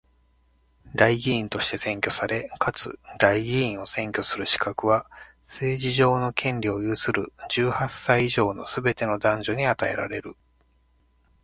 代議員として選挙され、かつ代議員を選挙する資格は、政治上の権利を有する十八歳以上のすべての男女に与えられる。